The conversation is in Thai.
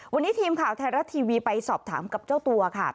วันนี้ทีมข่าวไทยรัฐทีวีไปสอบถามกับเจ้าตัวค่ะ